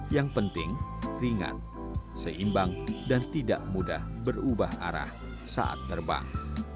yang penting ringan seimbang dan tidak mudah berubah arah saat terbang